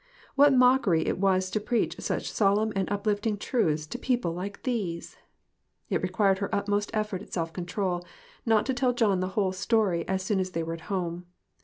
What mockery it was to preach such solemn and uplift ing truths to people like these ! It required her utmost effort at self control not to tell John the whole story as soon as they were at home.